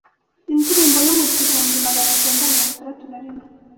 Indirimbo yo mu igihumbi maganacyenda na mirongo itandatu na rimwe